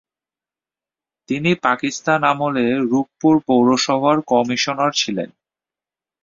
তিনি পাকিস্তান আমলে রংপুর পৌর সভার কমিশনার ছিলেন।